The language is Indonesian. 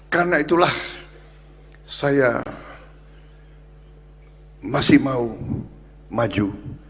karena itulah saya masih mau maju